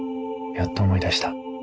やっと思い出した。